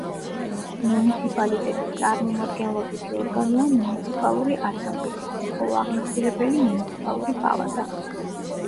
მუნიციპალიტეტის წარმომადგენლობითი ორგანოა მუნიციპალური ასამბლეა, ხოლო აღმასრულებელი მუნიციპალური პალატა.